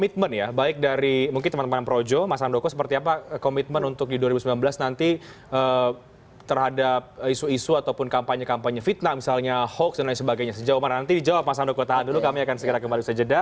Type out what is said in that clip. terima kasih terima kasih terima kasih